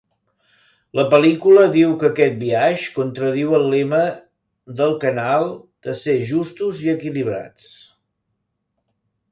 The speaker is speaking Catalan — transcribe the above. La pel·lícula diu que aquest biaix contradiu el lema del canal de ser "Justos i equilibrats".